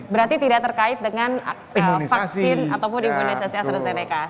berarti tidak terkait dengan vaksin ataupun imunisasi astrazeneca